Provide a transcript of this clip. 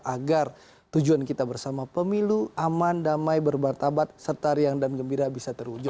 agar tujuan kita bersama pemilu aman damai berbartabat serta riang dan gembira bisa terwujud